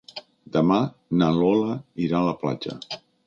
Demà na Lola irà a la platja.